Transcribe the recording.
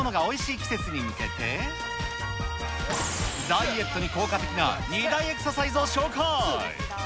季節に向けて、ダイエットに効果的な２大エクササイズを紹介。